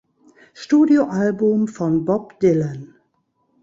Studioalbum von Bob Dylan.